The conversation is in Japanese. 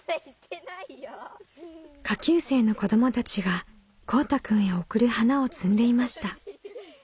下級生の子どもたちがこうたくんへ贈る花を摘んでいました。